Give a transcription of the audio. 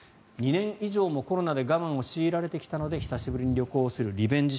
２年以上もコロナで我慢を強いられてきたので久しぶりに旅行するリベンジ